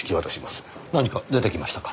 何か出てきましたか？